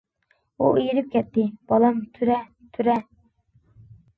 ئۇ ئېرىپ كەتتى. -بالام، تۇرە، تۇرە!